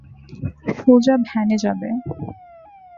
সোজা ভ্যানে যাবো।